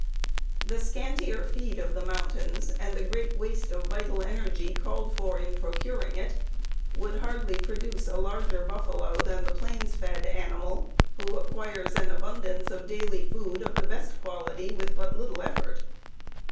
The scantier feed of the mountains, and the great waste of vital energy called for in procuring it, would hardly produce a larger buffalo than the plains fed animal, who acquires an abundance of daily food of the best quality with but little effort.